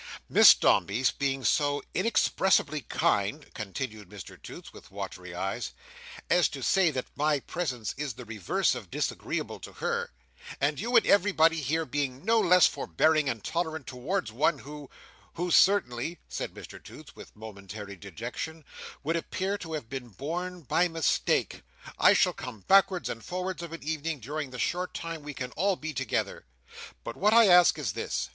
"Miss Dombey being so inexpressably kind," continued Mr Toots with watery eyes, "as to say that my presence is the reverse of disagreeable to her, and you and everybody here being no less forbearing and tolerant towards one who—who certainly," said Mr Toots, with momentary dejection, "would appear to have been born by mistake, I shall come backwards and forwards of an evening, during the short time we can all be together. But what I ask is this.